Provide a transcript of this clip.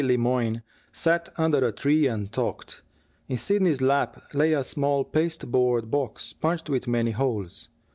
Le Moyne sat under a tree and talked. In Sidney's lap lay a small pasteboard box, punched with many holes.